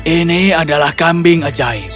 ini adalah kambing ajaib